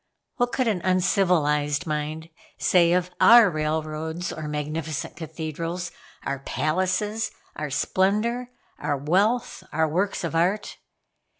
What could an uncivilized mind say of our railroads, or magnificent cathedrals, our palaces, our splendor, our wealth, our works of art.